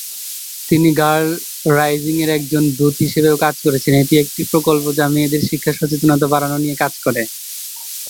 তিনি গার্ল রাইজিং-এর একজন দূত হিসেবেও কাজ করেছেন, এটি একটি প্রকল্প যা মেয়েদের শিক্ষা সচেতনতা বাড়ানো নিয়ে কাজ করে।